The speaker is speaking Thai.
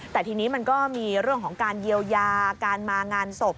แต่ทีนี้มันก็มีเรื่องของการเยียวยาการมางานศพ